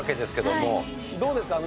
どうですか？